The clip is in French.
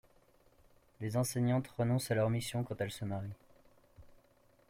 Les enseignantes renoncent à leur mission quand elles se marient.